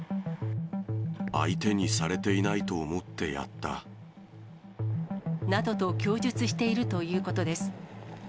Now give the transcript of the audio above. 相手にされていないと思ってなどと供述しているということです。